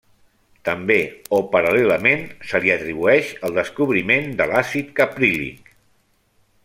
També -o paral·lelament- se li atribueix el descobriment de l'àcid caprílic.